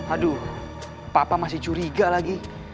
aduh papa masih curiga lagi